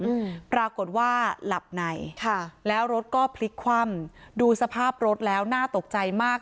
อืมปรากฏว่าหลับในค่ะแล้วรถก็พลิกคว่ำดูสภาพรถแล้วน่าตกใจมาก